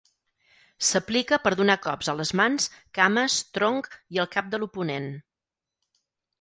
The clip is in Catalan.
S'aplica per donar cops a les mans, cames, tronc i al cap de l'oponent.